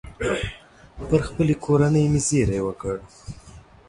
پر خپلې کورنۍ مې زېری وکړ.